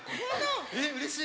えっうれしい。